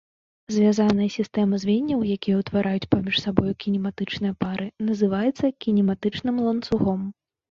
Звязаная сістэма звенняў, якія ўтвараюць паміж сабою кінематычныя пары, называецца кінематычным ланцугом.